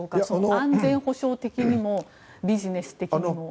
安全保障的にもビジネス的にも。